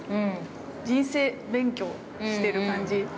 人生勉強してる感じ。